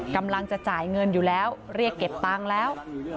กำลังจะจ่ายเงินอยู่แล้วเรียกเก็บตังค์แล้ว